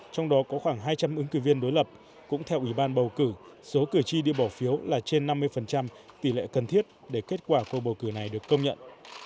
trong đó có khoảng hai trăm linh ứng cử viên đối lập cũng theo ủy ban bầu cử số cử tri đi bỏ phiếu là trên năm mươi tỷ lệ cần thiết để kết quả cuộc bầu cử này được công nhận